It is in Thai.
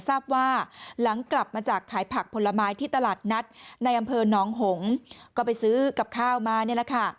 ทราบว่าหลังกลับมาจากขายผักผลไม้ที่ตลาดนัดในอำเภอน้องหงก็ไปซื้อกับข้าวมานี่แหละค่ะ